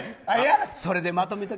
それでまとめて。